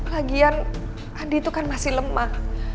lagian adi itu kan masih lemah